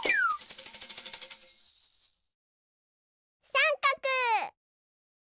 さんかく！